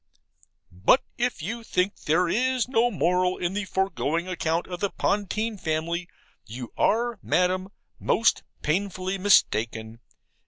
But if you think there is no moral in the foregoing account of the Pontine family, you are, Madam, most painfully mistaken.